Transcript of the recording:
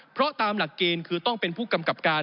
เพราะตามหลักเกณฑ์คือต้องเป็นผู้กำกับการ